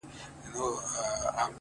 • که زه مړ سوم ما به څوک په دعا یاد کي,